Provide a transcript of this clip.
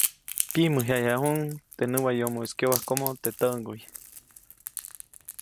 Pyiʼmäyjayuʼuŋ teʼ näwayomoʼis kyobajkomo teʼ täʼŋguy.